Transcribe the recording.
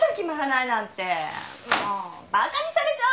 もうバカにされちゃうわよ。